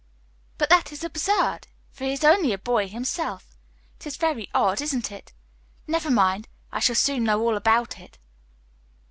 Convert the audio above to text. "But that is absurd, for he's only a boy himself. It's very odd, isn't it? Never mind, I shall soon know all about it."